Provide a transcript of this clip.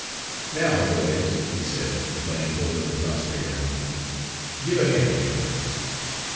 "Now, boys," he said, laying hold of the prostrate animal, "give a hand here."